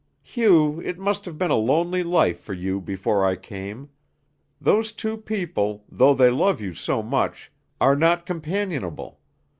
Hugh, it must have been a lonely life for you before I came. Those two people, though they love you so much, are not companionable.